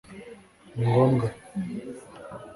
ni ngombwa